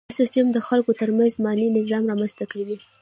دا سیستم د خلکو ترمنځ مالي نظم رامنځته کوي.